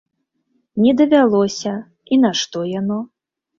Не давялося, і нашто яно?